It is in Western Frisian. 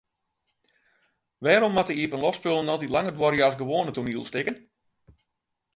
Wêrom moatte iepenloftspullen altyd langer duorje as gewoane toanielstikken?